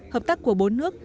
hợp tác của bốn nước